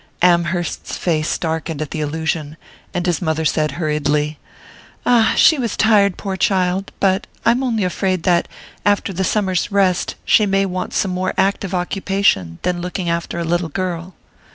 Amherst's face darkened at the allusion, and his mother said hurriedly: "Ah, she was tired, poor child; but I'm only afraid that, after the summer's rest, she may want some more active occupation than looking after a little girl."